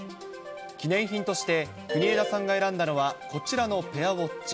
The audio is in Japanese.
記念品として、国枝さんが選んだのはこちらのペアウォッチ。